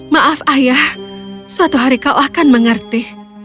maaf ayah suatu hari kau akan mengerti